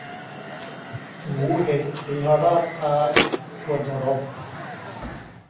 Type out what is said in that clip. หมูเห็นสีหราชท้า ชวนรบ